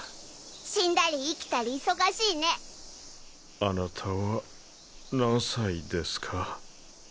死んだり生きたり忙しいねあなたは何歳ですか？